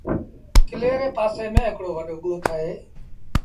ڪلي ري پآسي ميݩ هڪڙو وڏو ڳوٺ اهي۔